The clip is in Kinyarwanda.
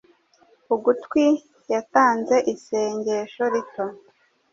ugutwi yatanze isengesho rito